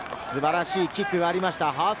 素晴らしいキックがありました